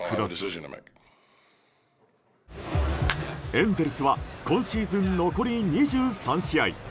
エンゼルスは今シーズン残り２３試合。